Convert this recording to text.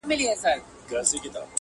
نه په سمه مځکه بند وو، نه په شاړه -